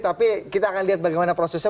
tapi kita akan lihat bagaimana prosesnya